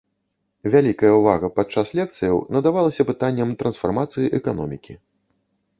Вялікая ўвага падчас лекцыяў надавалася пытанням трансфармацыі эканомікі.